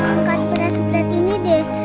angkat beras beras ini deh